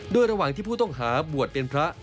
โดยระหว่างที่ผู้ต้องหาบวชเป็นพระ